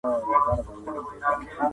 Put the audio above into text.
بد خبره غم راولي